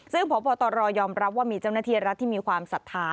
ซึ่งพบตรยอมรับว่ามีเจ้าหน้าที่รัฐที่มีความศรัทธา